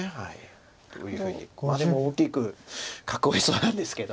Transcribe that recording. どういうふうにでも大きく囲いそうなんですけど。